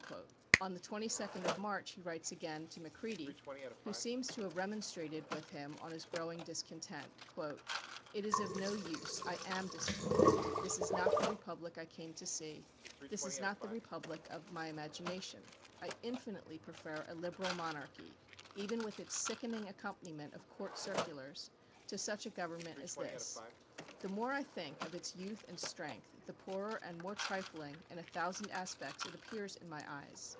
On the 22nd of March he writes again, to Macready, who seems to have remonstrated with him on his growing discontent: "It is of no use, I am disappointed. This is not the republic I came to see; this is not the republic of my imagination. I infinitely prefer a liberal monarchy even with its sickening accompaniment of Court circulars to such a government as this. The more I think of its youth and strength, the poorer and more trifling in a thousand aspects it appears in my eyes.